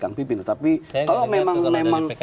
kang pipin tetapi kalau memang